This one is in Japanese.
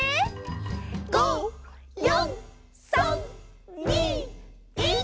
「５、４、３、２、１」